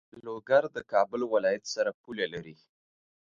لوګر د کابل ولایت سره پوله لری.